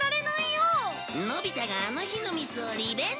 のび太があの日のミスをリベンジ？